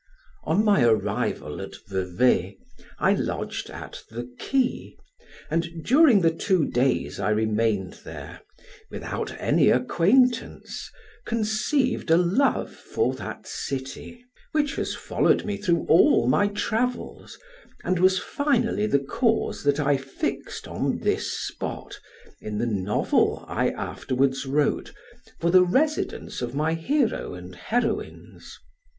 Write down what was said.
On my arrival at Vevay, I lodged at the Key, and during the two days I remained there, without any acquaintance, conceived a love for that city, which has followed me through all my travels, and was finally the cause that I fixed on this spot, in the novel I afterwards wrote, for the residence of my hero and heroines.